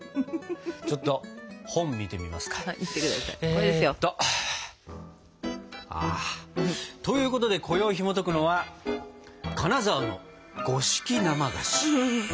ちょっと本見てみますか。ということでこよいひもとくのは「金沢の五色生菓子」。